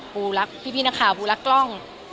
ปูรักพี่นักข่าวปูรักกล้อง